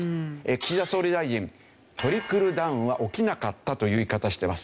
岸田総理大臣「トリクルダウンは起きなかった」という言い方してます。